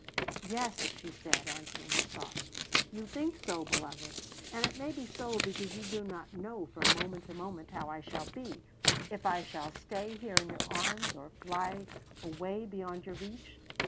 "Yes," she said, answering his thoughts. "You think so, beloved, and it may be so because you do not know from moment to moment how I shall be if I shall stay here in your arms, or fly far away beyond your reach.